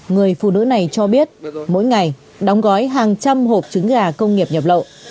người phụ nữ này cho biết mỗi ngày đóng gói hàng trăm hộp trứng gà công nghiệp nhập lậu